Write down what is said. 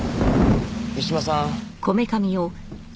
三島さん。